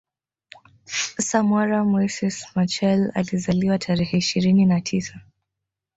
Samora Moises Machel Alizaliwa tarehe ishirini na tisa